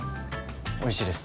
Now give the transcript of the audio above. おいしいです。